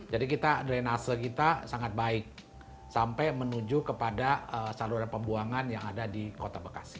jadi kita drainase kita sangat baik sampai menuju kepada saluran pembuangan yang ada di kota bekasi